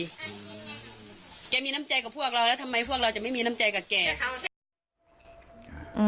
แกมีน้ำใจกับพวกเราแล้วทำไมพวกเราจะไม่มีน้ำใจกับแก